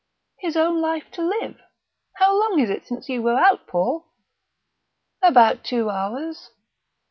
"His own life to live!... How long is it since you were out, Paul?" "About two hours."